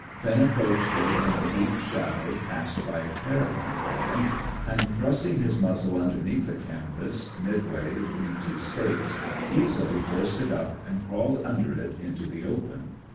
Finn approached it in the deep shadow cast by a caravan wagon, and, thrusting his muzzle underneath the canvas, midway between two stakes, easily forced it up, and crawled under it into the open.